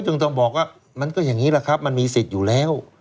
ซึ่งต้องบอกว่ามันก็อย่างนี้แหละครับมันมีสิทธิ์อยู่แล้ว